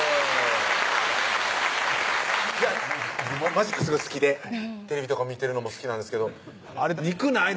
マジックすごい好きでテレビとか見てるのも好きなんですけどあれ憎ない？